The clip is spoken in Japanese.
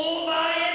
はい！